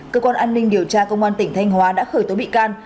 cơ quan an ninh điều tra công an tỉnh thanh hóa đã khởi tố bị can